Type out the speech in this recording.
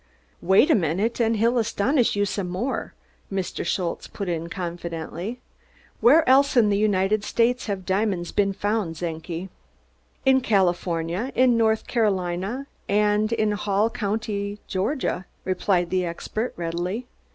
"Vait a minute und he'll astonish you some more," Mr. Schultze put in confidently. "Vere else in der United States haf diamonds been found, Czenki?" "In California, in North Carolina, and in Hall County, Georgia," replied the expert readily.